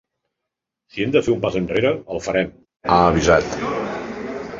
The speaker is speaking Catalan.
Si hem de fer un pas enrere, el farem, ha avisat.